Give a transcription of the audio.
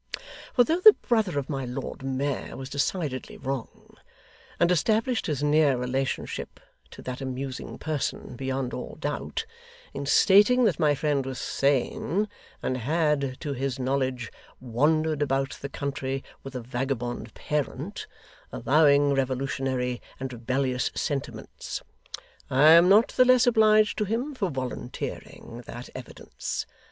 For though the brother of my Lord Mayor was decidedly wrong; and established his near relationship to that amusing person beyond all doubt, in stating that my friend was sane, and had, to his knowledge, wandered about the country with a vagabond parent, avowing revolutionary and rebellious sentiments; I am not the less obliged to him for volunteering that evidence.